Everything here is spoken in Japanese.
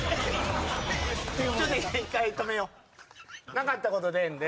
なかったことでええんで。